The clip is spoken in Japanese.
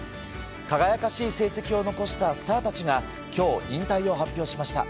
輝かしい成績を残したスターたちが今日、引退を発表しました。